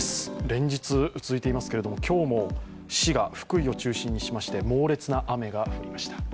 連日続いていますけど、今日も滋賀福井を中心にしまして猛烈な雨が降りました。